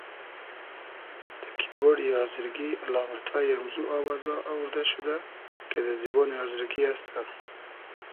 دۂ کیبۉرۮی آزرگی الامئتای امزو آوازا اووردۂ شودۂ کی دۂ زیبۉنی آزرگی است.